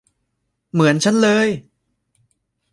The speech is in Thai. เหมือนฉันเลย !